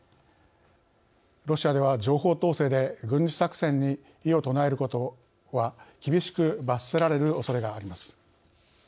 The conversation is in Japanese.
ロシアでは情報統制で軍事作戦に異を唱えることは厳しく罰せられるおそれがあります。